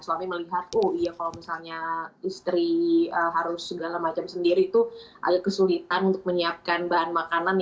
suami melihat oh iya kalau misalnya istri harus segala macam sendiri tuh agak kesulitan untuk menyiapkan bahan makanan